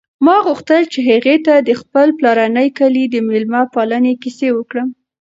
ما غوښتل چې هغې ته د خپل پلارني کلي د مېلمه پالنې کیسې وکړم.